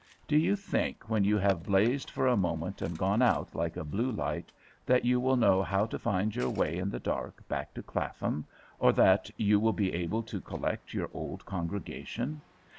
Do you think, when you have blazed for a moment and gone out like a blue light, that you will know how to find your way in the dark back to Clapham, or that you will be able to collect your old congregation?